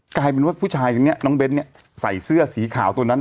กลายเป็นว่าผู้ชายคนนี้น้องเบ้นเนี่ยใส่เสื้อสีขาวตัวนั้น